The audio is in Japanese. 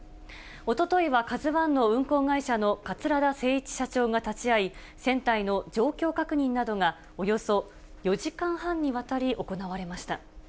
おとといはＫＡＺＵＩの運航会社の桂田精一社長が立ち会い、船体の状況確認などがおよそ４時間半にわたり行われました。